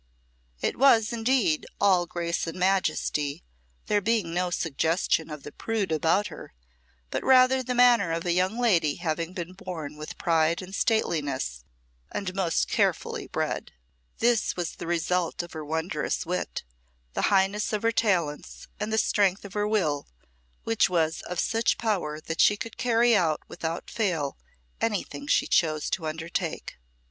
It was, indeed, all grace and majesty, there being no suggestion of the prude about her, but rather the manner of a young lady having been born with pride and stateliness, and most carefully bred. This was the result of her wondrous wit, the highness of her talents, and the strength of her will, which was of such power that she could carry out without fail anything she chose to undertake.